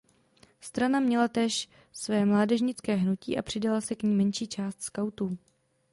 Strana měla též své mládežnické hnutí a přidala se k ní menší část skautů.